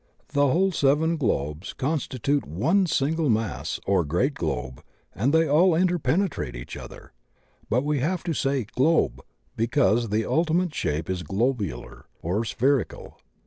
The whole seven globes'* consti tute one single mass or great globe and they all inter penetrate each other. But we have to say "globe," be cause the ultimate shape is globular or spherical.